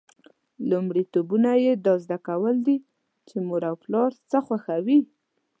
لومړیتوبونه یې دا زده کول دي چې مور او پلار څه خوښوي.